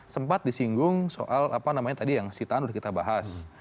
sempat disinggung soal yang sitaan sudah kita bahas